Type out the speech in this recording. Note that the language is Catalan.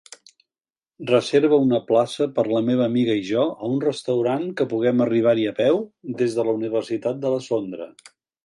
Reserva una plaça per la meva amiga i jo a un restaurant que puguem arribar-hi a peu des de la universitat de la Sondra.